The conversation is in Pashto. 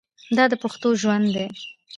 دا د پښتنو ژوند دی.